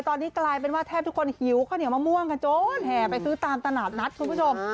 ตอนนี้กลายเป็นว่าแทบทุกคนหิวข้าวเหนียวมะม่วงกันจนแห่ไปซื้อตามตลาดนัดคุณผู้ชม